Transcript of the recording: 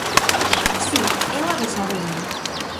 Si, eu avisareino.